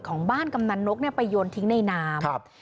ของบ้านกำนันนกไปโยนทิ้งในน้ำ